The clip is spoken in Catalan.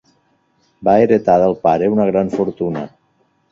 Va heretar del pare una gran fortuna.